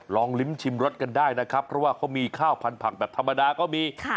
ลองลิ้มชิมรสกันได้นะครับเพราะว่าเขามีข้าวพันธักแบบธรรมดาก็มี